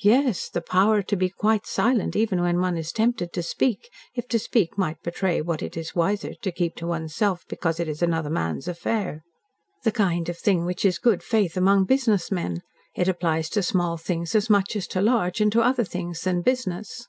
"Yes. The power to be quite silent, even when one is tempted to speak if to speak might betray what it is wiser to keep to one's self because it is another man's affair. The kind of thing which is good faith among business men. It applies to small things as much as to large, and to other things than business."